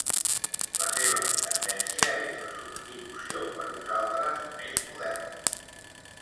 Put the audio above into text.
La seva tendència és la substitució per uns altres més moderns.